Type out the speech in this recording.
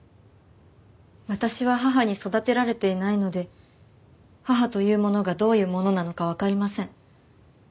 私は母に育てられていないので母というものがどういうものなのかわかりません。